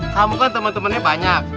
kamu kan temen temennya banyak